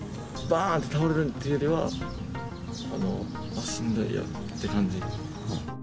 だーんって倒れるというよりかは、しんどいって感じで。